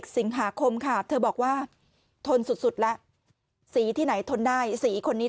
สิงหาคมค่ะเธอบอกว่าทนสุดแล้วสีที่ไหนทนได้สีคนนี้